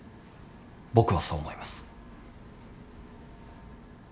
僕はそう思います。